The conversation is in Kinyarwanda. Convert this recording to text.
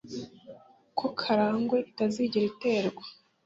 Ko Karagwe itazigera iterwa.